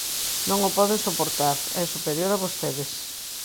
Non o poden soportar, é superior a vostedes.